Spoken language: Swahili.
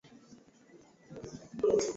Kaota umekufa.